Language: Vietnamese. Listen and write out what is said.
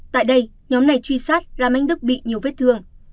tại đây nhóm này truy sát làm anh đức bị nhiều vết thương